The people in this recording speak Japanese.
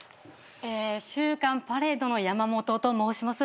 『週刊パレード』のヤマモトと申します。